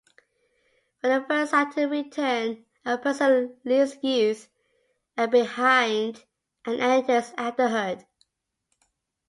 With the first Saturn return, a person leaves youth behind and enters adulthood.